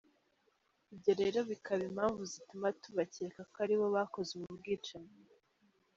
Ibyo rero bikaba impamvu zituma tubakeka ko aribo bakoze ubu bwicanyi”.